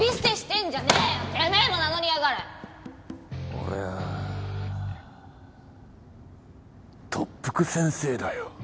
俺は特服先生だよ。